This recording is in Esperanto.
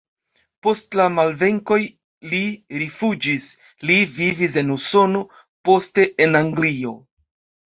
Post la malvenkoj li rifuĝis, li vivis en Usono, poste en Anglio.